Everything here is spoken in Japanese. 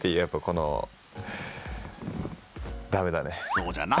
そうじゃな。